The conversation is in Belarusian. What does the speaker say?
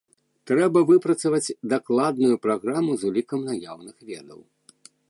Трэба выпрацаваць дакладную праграму з улікам наяўных ведаў.